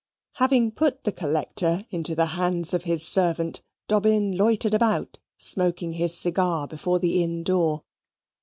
Having put the Collector into the hands of his servant, Dobbin loitered about, smoking his cigar before the inn door.